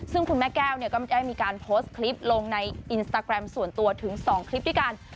ซึ่งคุณแม่แก้วก็ได้มีการโพสต์คลิปลงในอินสตาแกรมส่วนตัวถึง๒คลิปด้วยกัน